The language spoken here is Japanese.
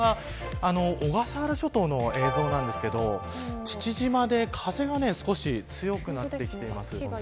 小笠原諸島の映像なんですけど父島で風が少し強くなってきています。